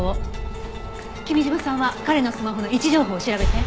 君嶋さんは彼のスマホの位置情報を調べて。